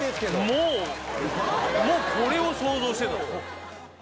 もうもうこれを想像してた。